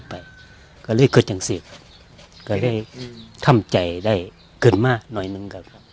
แล้วเราก็เลยกึดยังสิบก็เลยทำใจได้เขาเกิดมาหน่อยหนึ่งกัน